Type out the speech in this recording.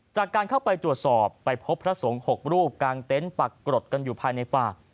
จากการเข้าไปตรวจสอบไปพบพระสงฆ์๖รูปกางเต็นต์ปักกรดกันอยู่ภายในป่า